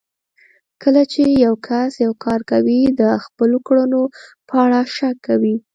کله چې يو کس يو کار کوي د خپلو کړنو په اړه شک کوي.